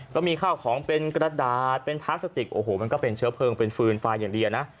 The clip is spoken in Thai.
ก็มีข้าวของเป็นกระดาษเป็นพลาสติกโอ้โหมันก็เป็นเชื้อเพลิงเป็นฟืนไฟอย่างเดียวนะ